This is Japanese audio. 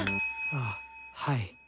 あっはい。